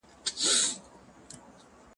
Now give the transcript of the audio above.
ما یې قبر دی لیدلی چي په کاڼو وي ویشتلی